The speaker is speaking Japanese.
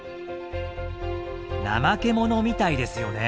ナマケモノみたいですよね。